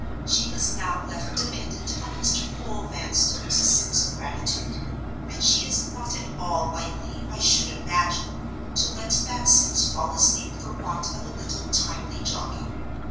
She is now left dependent on Mr. Noel Vanstone's sense of gratitude; and she is not at all likely, I should imagine, to let that sense fall asleep for want of a little timely jogging.